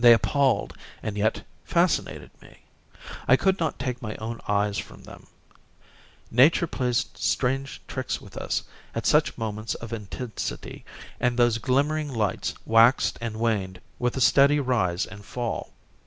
They appalled and yet fascinated me. I could not take my own eyes from them. Nature plays strange tricks with us at such moments of intensity, and those glimmering lights waxed and waned with a steady rise and fall.